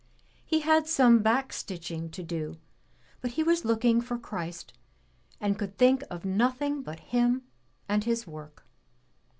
He had some back stitching to do, but he was looking for Christ and could think of nothing but Him and His work.